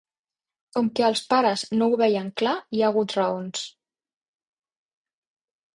Com que els pares no ho veien clar hi ha hagut raons.